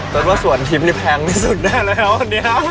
ตอนนี้สวนทิศนี่แพงในสุดได้เลยนะครับ